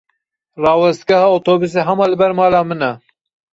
Rawestgeha otobûsê hema li ber mala min e.